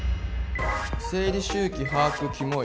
「生理周期把握キモい」。